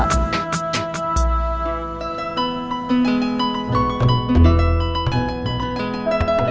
sampai jumpa lagi